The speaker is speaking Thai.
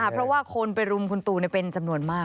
เพราะว่าคนไปรุมคุณตูเป็นจำนวนมาก